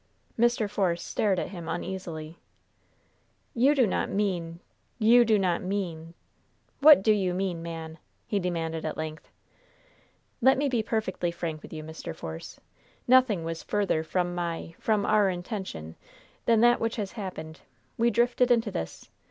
Mr. Force stared at him uneasily. "You do not mean you do not mean What do you mean, man?" he demanded at length. "Let me be perfectly frank with you, Mr. Force. Nothing was further from my from our intention than that which has happened. We drifted into this.